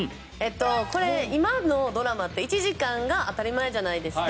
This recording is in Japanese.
これ今のドラマって１時間が当たり前じゃないですか。